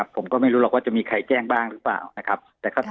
ผมก็ไม่รู้ค่ะว่าจะมีใครแจ้งหรือไม่